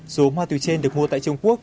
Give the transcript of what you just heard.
số ma túy trên được mua tại trung quốc